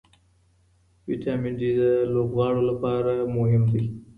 ویټامن ډي د لوبغاړو لپاره مهم دی.